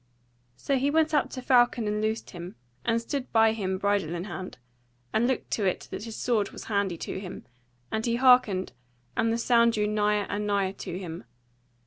So he went up to Falcon and loosed him, and stood by him bridle in hand, and looked to it that his sword was handy to him: and he hearkened, and the sound drew nigher and nigher to him.